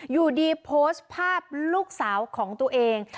อยู่ดีโพสต์ภาพลูกสาวของตัวเอง